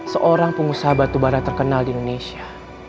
seorang pengusaha batu bara terkenal di indonesia